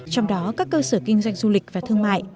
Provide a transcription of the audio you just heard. trong đó các cơ sở kinh doanh du lịch và thương mại